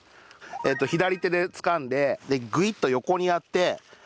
左手でつかんでグイッと横にやってひと刺し。